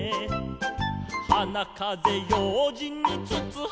「はなかぜようじんにつつはめた」